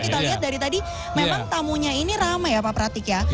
karena kalau kita lihat dari tadi memang tamunya ini ramai ya pak pratik ya